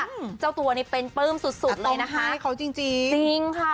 อืมเจ้าตัวนี่เป็นปลื้มสุดสุดเลยนะคะให้เขาจริงจริงค่ะ